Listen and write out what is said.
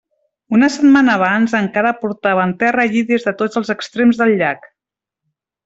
Una setmana abans encara portaven terra allí des de tots els extrems del llac.